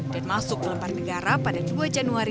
dan masuk ke lempar negara pada dua januari dua ribu dua puluh dua